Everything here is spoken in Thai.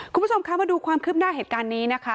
คุณผู้ชมคะมาดูความคืบหน้าเหตุการณ์นี้นะคะ